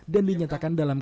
dan dinyatakan dalam kisahnya